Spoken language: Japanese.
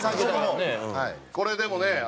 これでもね